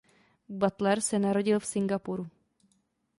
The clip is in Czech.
Butler se narodil v Singapuru.